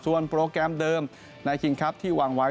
โปรแกรมเดิมในคิงครับที่วางไว้